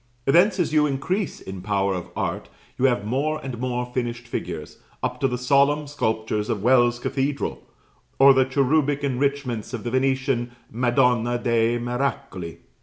Thence, as you increase in power of art, you have more and more finished figures, up to the solemn sculptures of Wells Cathedral, or the cherubic enrichments of the Venetian Madonna dei Miracoli.